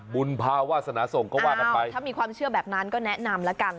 บุญภาวาสนาส่งก็ว่ากันไปถ้ามีความเชื่อแบบนั้นก็แนะนำแล้วกัน